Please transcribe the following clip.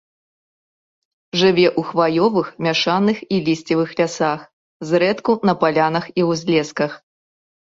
Жыве ў хваёвых, мяшаных і лісцевых лясах, зрэдку на палянах і ўзлесках.